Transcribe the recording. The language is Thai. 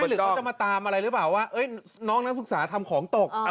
หรือเขาจะมาตามอะไรหรือเปล่าว่าน้องนักศึกษาทำของตก